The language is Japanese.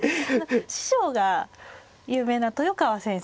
師匠が有名な豊川先生。